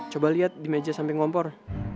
coba liat di meja samping kompor